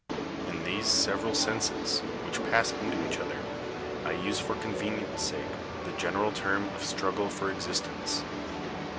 In these several senses, which pass into each other, I use for convenience* sake the general term of Struggle for Existence.